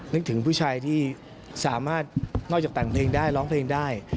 นึกถึงผู้ชายที่สามารถนอกจากแต่งเพลงได้ร้องเพลงได้